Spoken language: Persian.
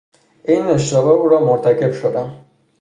عین اشتباه او را مرتکب شدم.